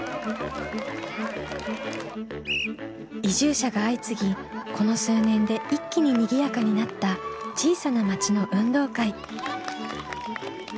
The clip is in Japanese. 移住者が相次ぎこの数年で一気ににぎやかになった小さな町の運動会。